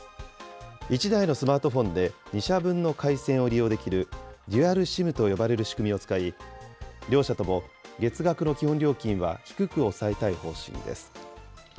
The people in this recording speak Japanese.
１台のスマートフォンで、２社分の回線を利用できるデュアルＳＩＭと呼ばれる仕組みを使い、両社とも月額の基本料金は低く抑えたい方針です。